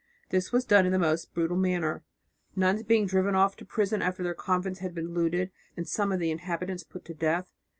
This was done in the most brutal manner, nuns being driven off to prison after their convents had been looted and some of the inhabitants put to death.